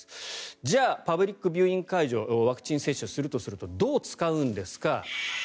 じゃあ、パブリックビューイングワクチン接種するとするとどう使うんですか。